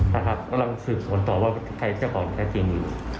แต่ครับเราก็ติดส่วนต่อว่าใครเป็นเจ้าของใครจริงอยู่